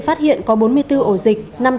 phát hiện có bốn mươi bốn ổ dịch